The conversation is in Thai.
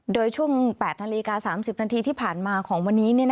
โดยช่วง๘นาฬิกา๓๐นาทีที่ผ่านมาของวันนี้